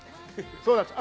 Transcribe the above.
そうなんです。